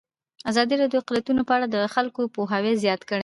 ازادي راډیو د اقلیتونه په اړه د خلکو پوهاوی زیات کړی.